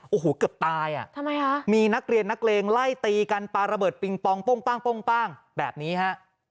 โอ้โหเกือบตายอ่ะทำไมฮะมีนักเรียนนักเลงไล่ตีกันปลาระเบิดปิงปองโป้งป้างแบบนี้ฮะ